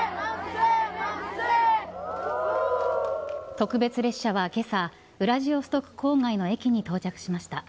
特別列車は今朝ウラジオストク郊外の駅に到着しました。